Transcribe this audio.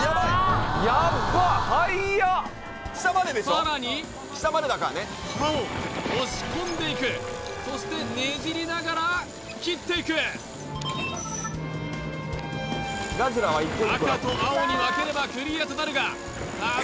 さらに刃を押し込んでいくそしてねじりながら切っていく赤と青に分ければクリアとなるがさあ